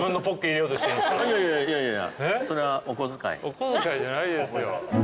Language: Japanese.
おこづかいじゃないですよ。